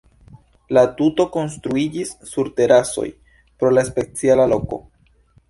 La tuto konstruiĝis sur terasoj, pro la speciala loko.